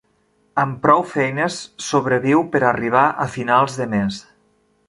Amb prou feines sobreviu per arribar a finals de mes.